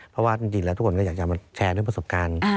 เพราะว่าทุกคนก็อย่างจะมาแชร์รื่องประสบการณ์